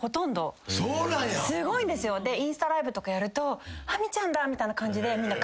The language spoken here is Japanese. すごいんですよ。でインスタライブとかやると「亜美ちゃんだ」みたいな感じでみんな。